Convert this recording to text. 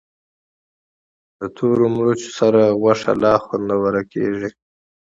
د تورو مرچو سره غوښه لا خوندوره کېږي.